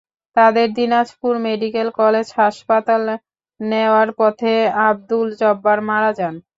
তাঁদের Dinajpur medical college হাসপাতাল নেওয়ার পথে আবদুল জব্বার মারা যান।